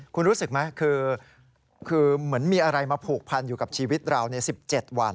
คุณรู้สึกไหมคือเหมือนมีอะไรมาผูกพันอยู่กับชีวิตเราใน๑๗วัน